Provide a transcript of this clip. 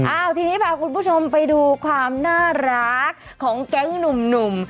ทีนี้พาคุณผู้ชมไปดูความน่ารักของแก๊งหนุ่ม